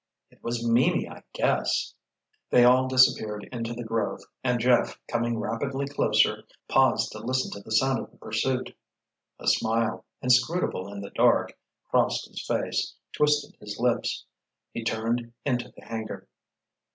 "It was Mimi, I guess!" They all disappeared into the grove, and Jeff, coming rapidly closer, paused to listen to the sound of the pursuit. A smile, inscrutable in the dark, crossed his face, twisted his lips. He turned into the hangar.